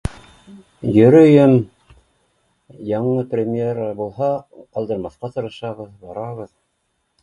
Йөрөйөм яңы премьера булһа ҡалдырмаҫҡа тырышабыҙ барабыҙ